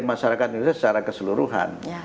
masyarakat indonesia secara keseluruhan